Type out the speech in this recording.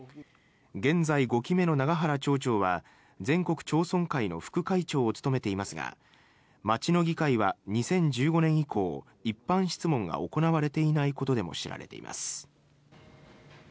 現在５期目の永原町長は全国町村会の副会長を務めていますが町の議会は２０１５年以降一般質問が行われていないことでも知られています。